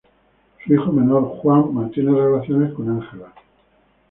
Su hijo menor, "Juan", mantiene relaciones con "Ángela".